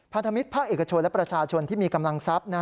พันธมิตรภาคเอกชนและประชาชนที่มีกำลังทรัพย์